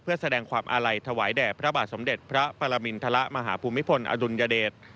เพื่อแสดงความอาลัยถวายแด่พระบาทสมเด็จพระปรมินทรมาฮภูมิพลอดุลยเดช